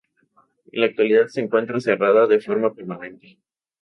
En la actualidad se encuentra cerrada de forma permanente.